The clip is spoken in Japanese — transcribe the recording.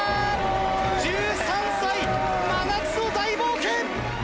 １３歳、真夏の大冒険！